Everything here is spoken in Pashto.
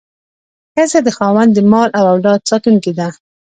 ښځه د خاوند د مال او اولاد ساتونکې ده.